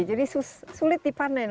jadi sulit dipanen